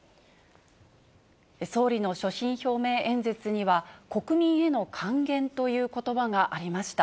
総理の所信表明演説には、国民への還元ということばがありました。